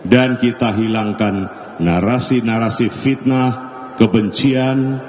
dan kita hilangkan narasi narasi fitnah kebencian